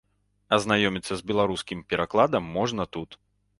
Азнаёміцца з беларускім перакладам можна тут.